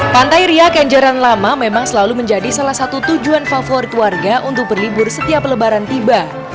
pantai ria kenjeran lama memang selalu menjadi salah satu tujuan favorit warga untuk berlibur setiap lebaran tiba